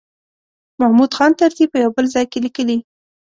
محمود خان طرزي په یو بل ځای کې لیکلي.